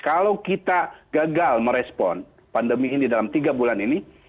kalau kita gagal merespon pandemi ini dalam tiga bulan ini